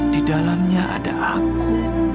di dalamnya ada aku